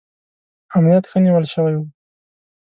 امنیت ښه نیول شوی و.